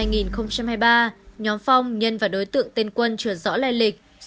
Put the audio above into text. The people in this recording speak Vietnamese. nhóm phong nhân và đối tượng tên quân chưa rõ lai lịch